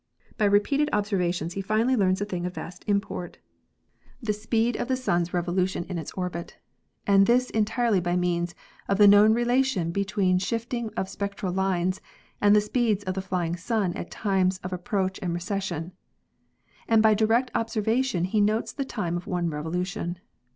By repeated observations he finally learns a thing of vast import, the 288 ASTRONOMY speed of the Sun's revolution in its orbit, and this entirely by means of the known relation between shifting of spec tral lines and the speeds of the flying sun at times of ap proach and recession. And by direct observation he notes the time of one revolution.